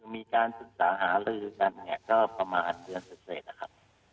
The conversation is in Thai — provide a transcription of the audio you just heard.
มีการศึกษาหาลือกันเนี่ยก็ประมาณเดือนเสร็จนะครับ